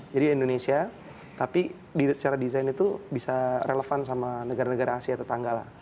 jadi indonesia tapi secara desain itu bisa relevan sama negara negara asia tetangga lah